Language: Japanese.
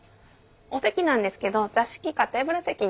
お席なんですけど座敷かテーブル席になります。